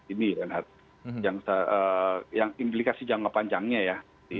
ini yang implikasi jangka panjangnya ya